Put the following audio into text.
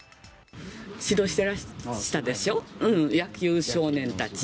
指導してらしたでしょ、野球少年たち。